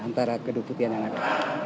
antara kedua buktian yang ada